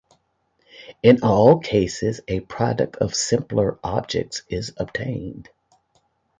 In all cases, a product of simpler objects is obtained.